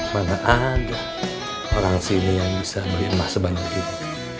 mana ada orang sini yang bisa berimah sebanyak ini